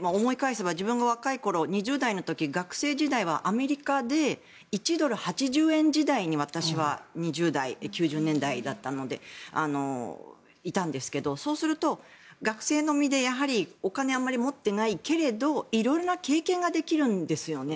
思い返せば自分が若い頃２０代の時、学生時代はアメリカで１ドル＝８０円時代に私は２０代、９０年代だったのでいたんですけどそうすると、学生の身でお金をあまり持っていないけど色々な経験ができるんですよね。